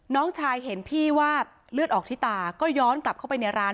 น้องชายเห็นพี่ว่าเลือดออกที่ตาก็ย้อนกลับเข้าไปในร้าน